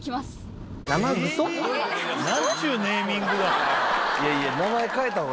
いやいや。